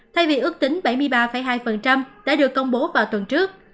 thay vì ước tính bảy mươi ba hai đã được công bố vào tuần trước